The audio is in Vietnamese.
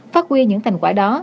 phát huy những thành quả đó